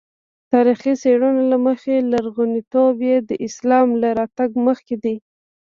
تاریخي څېړنو له مخې لرغونتوب یې د اسلام له راتګ مخکې دی.